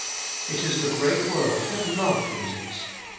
It is the great word that love uses.